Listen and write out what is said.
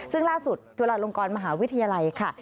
ซึ่งล่าสุดจุฬาลงกรมหาวิทยาลัยค่ะ